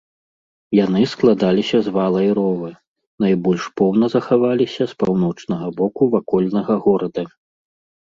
Яны складаліся з вала і рова, найбольш поўна захаваліся з паўночнага боку вакольнага горада.